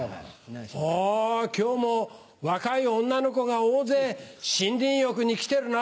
あ今日も若い女の子が大勢森林浴に来てるな。